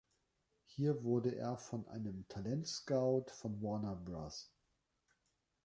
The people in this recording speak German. Hier wurde er von einem Talentscout von Warner Bros.